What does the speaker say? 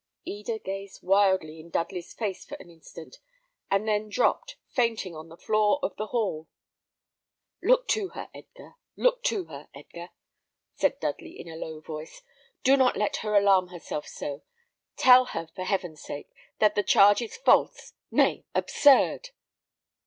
Eda gazed wildly in Dudley's face for an instant, and then dropped fainting on the floor of the hall. "Look to her, Edgar; look to her, Edgar!" said Dudley, in a low voice. "Do not let her alarm herself so. Tell her, for heaven's sake! that the charge is false, nay, absurd."